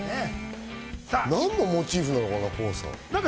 何のモチーフなのかな？